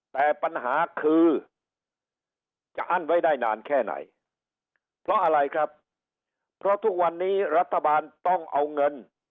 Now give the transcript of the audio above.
แต่ปัญหาคือจะอั้นไว้ได้นานแค่ไหนเพราะอะไรครับเพราะทุกวันนี้รัฐบาลต้องเอาเงิน